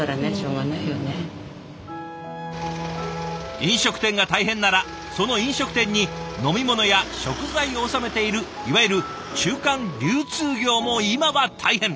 飲食店が大変ならその飲食店に飲み物や食材を納めているいわゆる中間流通業も今は大変。